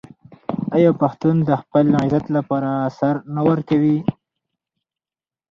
آیا پښتون د خپل عزت لپاره سر نه ورکوي؟